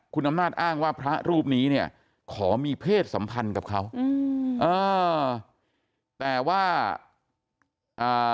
คุณอำนาจอ้างว่าพระรูปนี้เนี่ยขอมีเพศสัมพันธ์กับเขาอืมเออแต่ว่าอ่า